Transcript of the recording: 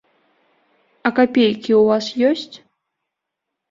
А капейкі ў вас ёсць?